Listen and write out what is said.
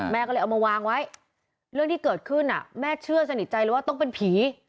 ก็เลยเอามาวางไว้เรื่องที่เกิดขึ้นแม่เชื่อสนิทใจเลยว่าต้องเป็นผี